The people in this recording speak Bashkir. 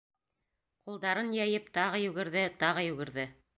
Ҡулдарын йәйеп тағы йүгерҙе, тағы йүгерҙе.